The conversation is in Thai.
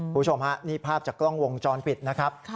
คุณผู้ชมฮะนี่ภาพจากกล้องวงจรปิดนะครับ